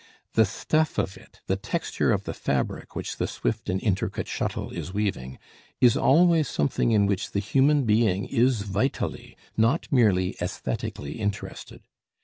The stuff of it the texture of the fabric which the swift and intricate shuttle is weaving is always something in which the human being is vitally, not merely aesthetically interested.